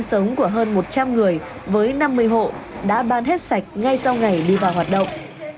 nơi sinh sống của hơn một trăm linh người với năm mươi hộ đã ban hết sạch ngay sau ngày đi vào hoạt động